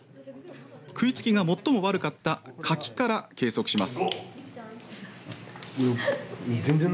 食いつきが最も悪かったカキから計測します。